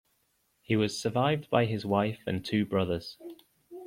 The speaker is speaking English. He was survived by his wife and two brothers.